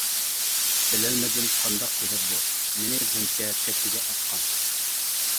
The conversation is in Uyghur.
بىلەلمىدىم قانداق سېھىر بۇ، مېنى بۇنچە تەكتىگە ئاتقان.